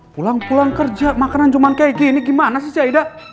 pulang pulang kerja makanan cuman kayak gini gimana sih si aida